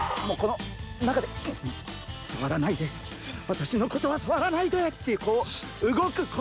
もうこの中でさわらないで私のことはさわらないでっていうこう動く